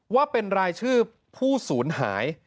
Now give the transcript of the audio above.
ว่าเป็นรายชื่อผู้ศูนย์หาย